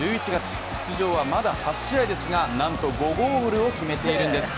出場はまだ８試合ですがなんと５ゴールを決めているんです。